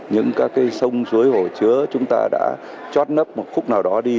những các cái sông suối hồ chứa chúng ta đã chót nấp một khúc nào đó đi